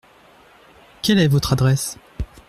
Quelle est votre adresse ?